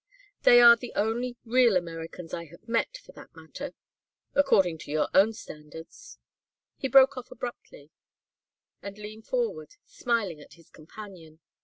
They are the only real Americans I have met, for that matter according to your own standards " He broke off abruptly and leaned forward, smiling at his companion.